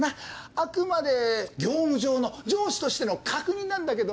あくまで業務上の上司としての確認なんだけど。